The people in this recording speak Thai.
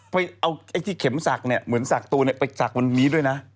ไปเอาไอ้ที่เข็มศักดิ์เนี่ยเหมือนสักตัวเนี่ยไปสักวันนี้ด้วยนะ